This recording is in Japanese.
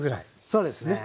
そうですね。